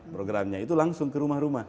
programnya itu langsung ke rumah rumah